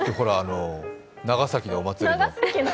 長崎のお祭りの。